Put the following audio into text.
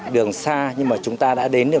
đường xa nhưng mà chúng ta đã đến được